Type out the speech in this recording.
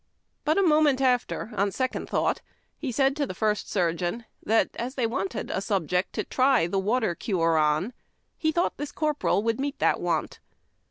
" but a moment after, on second thought, said to the first sur geon that, as they wanted a subject to try the water cure on, he thought the corporal would meet that want.